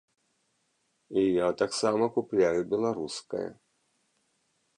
І я таксама купляю беларускае.